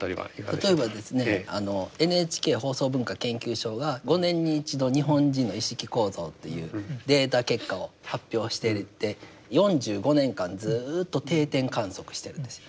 例えばですねＮＨＫ放送文化研究所が５年に一度日本人の意識構造というデータ結果を発表してて４５年間ずっと定点観測しているんです。